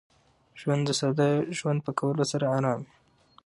ژوند د ساده ژوند په کولو سره ارام وي.